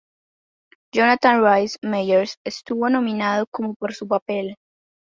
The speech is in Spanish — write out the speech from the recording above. Jonathan Rhys Meyers estuvo nominado como por su papel.